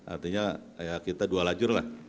artinya kita dua lajur lah